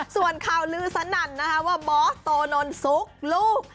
ส่วนข่าวลือสนั่นนะคะว่าบอสโตนนซุกลูก